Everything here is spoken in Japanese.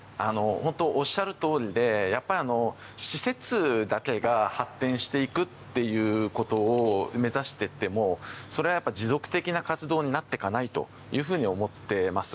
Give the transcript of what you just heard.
本当におっしゃるとおりでやっぱり施設だけが発展していくっていうことを目指していってもそれはやっぱり持続的な活動になっていかないというふうに思ってます。